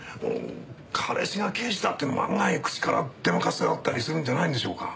彼氏が刑事だっていうのも案外口から出まかせだったりするんじゃないんでしょうか。